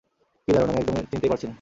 কি দারুন, আমি একদম চিনতেই পারছি না।